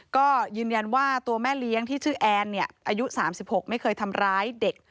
ก็ยืนยันว่าตัวแม่เลี้ยงที่ชื่อแอนอายุ๓๖ไม่เคยทำร้ายเด็ก